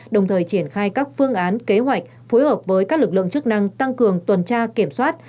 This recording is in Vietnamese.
đồng thời triển khai các phương án kế hoạch phối hợp với các lực lượng chức năng tăng cường tuần tra kiểm soát